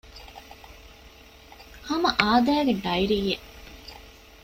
ހަމަ އާދައިގެ ޑައިރީއެއް